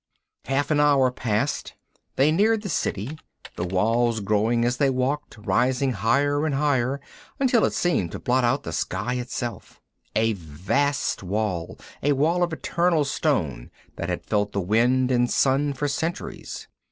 Half an hour passed. They neared the City, the wall growing as they walked, rising higher and higher until it seemed to blot out the sky itself. A vast wall, a wall of eternal stone that had felt the wind and sun for centuries.